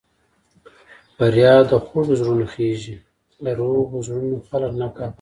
فریاد د خوږو زړونو خېژي له روغو زړونو خلک نه کا فریادونه